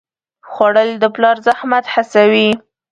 خوړل د پلار زحمت حسوي